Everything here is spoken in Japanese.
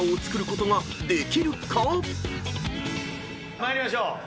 参りましょう。